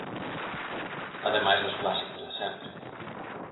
Ademais dos clásicos de sempre.